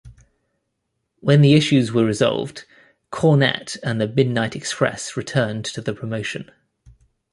When the issues were resolved, Cornette and the Midnight Express returned to the promotion.